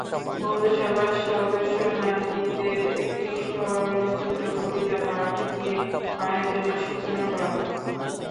বন্ধুসভার সদস্য নাহিদের একটি স্বরচিত কবিতা পাঠ দিয়ে আয়োজনের সূচনা করা হয়।